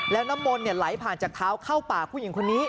แล้วน้ำมนต์ไหลผ่านจากเท้าเข้าปากผู้หญิงคนนี้